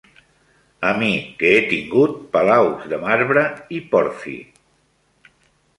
A mi que he tingut palaus de marbre i pòrfir